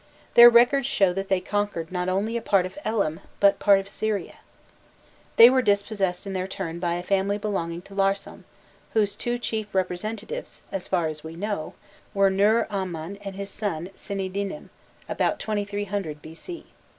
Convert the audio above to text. Their records show that they conquered not only a part of Elam, but part of Syria. They were dispossessed in their turn by a family belonging to Larsam, whose two chief representatives, as far as we know, were Nurramman and his son Sinidinnam (about 2300 B.C.).